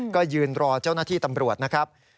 ก็ยืนรอเจ้าหน้าที่ตำรวจนะครับ